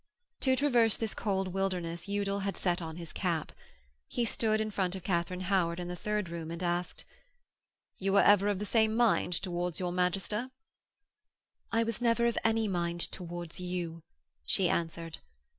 To traverse this cold wilderness Udal had set on his cap. He stood in front of Katharine Howard in the third room and asked: 'You are ever of the same mind towards your magister?' 'I was never of any mind towards you,' she answered.